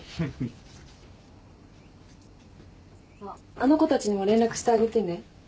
あの子たちにも連絡してあげてね。